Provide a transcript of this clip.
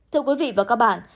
thưa quý vị và các bạn